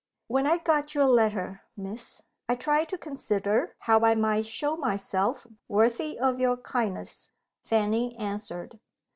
"When I got your letter, Miss, I tried to consider how I might show myself worthy of your kindness," Fanny answered.